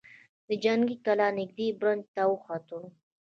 د جنګي کلا نږدې برج ته وخوت.